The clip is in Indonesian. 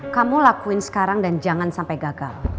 kamu lakuin sekarang dan jangan sampai gagal